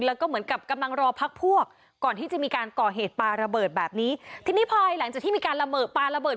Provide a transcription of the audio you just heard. แล้วก็เหมือนกับกำลังรอพักพวกก่อนที่จะมีการก่อเหตุปลาระเบิดแบบนี้ทีนี้พอหลังจากที่มีการระเบิดปลาระเบิด